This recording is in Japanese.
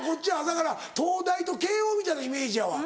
だから東大と慶應みたいなイメージやわ。